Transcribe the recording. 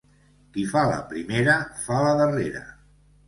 Qui fa la primera fa la darrera.